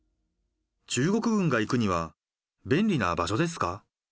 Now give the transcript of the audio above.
中国軍が行くには便利な場所ですか？